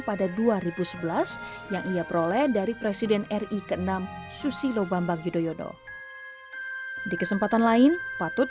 pada dua ribu sebelas yang ia peroleh dari presiden ri ke enam susilo bambang yudhoyono di kesempatan lain patut